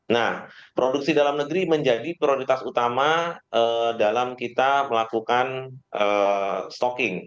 nah produksi dalam negeri menjadi prioritas utama dalam kita melakukan stocking